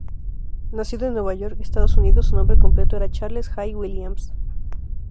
Nacido en Nueva York, Estados Unidos, su nombre completo era Charles Jay Williams.